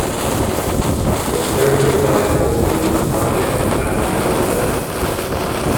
Its territory lies mostly on the Pontic-Caspian steppe.